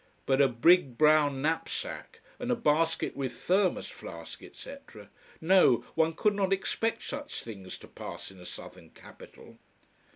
But a big brown knapsack! And a basket with thermos flask, etc! No, one could not expect such things to pass in a southern capital.